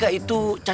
kalau aku lo